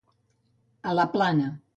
A la plana.